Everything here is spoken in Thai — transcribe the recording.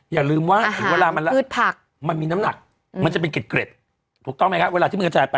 อย่าลืมว่า